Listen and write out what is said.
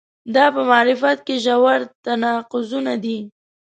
دا په معرفت کې ژور تناقضونه دي.